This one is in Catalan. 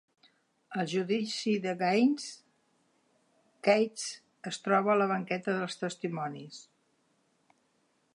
Al judici de Gaines, Cates es troba a la banqueta dels testimonis.